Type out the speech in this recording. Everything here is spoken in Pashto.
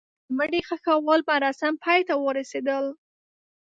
د مړي ښخولو مراسم پای ته ورسېدل.